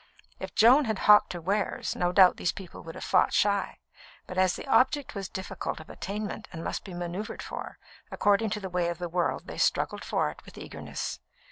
If Joan had hawked her wares, no doubt these people would have fought shy; but as the object was difficult of attainment and must be manoeuvred for, according to the way of the world they struggled for it with eagerness.